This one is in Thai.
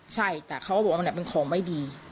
ใช่แต่เขาก็บอกว่ามันเป็นของไม่ดี